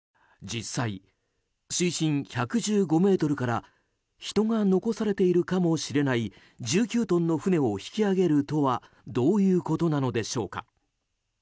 実際、水深１１５ｍから人が残されているかもしれない１９トンの船を引き揚げるとはどういうことなのでしょうか。